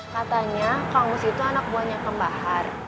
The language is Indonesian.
katanya kang mus itu anak buahnya kambahar